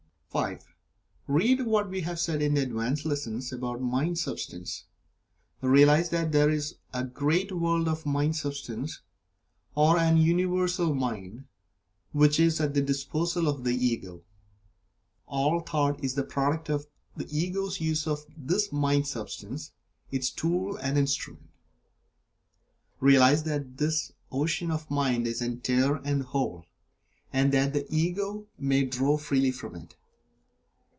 (5) Read what we have said in the "Advanced Lessons" about Mind substance. Realize that there is a great world of Mind substance, or an Universal Mind, which is at the disposal of the Ego. All Thought is the product of the Ego's use of this Mind substance, its tool and instrument. Realize that this Ocean of Mind is entire and Whole, and that the Ego may draw freely from it.